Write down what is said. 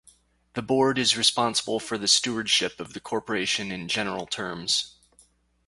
The Board is responsible for the stewardship of the corporation in general terms.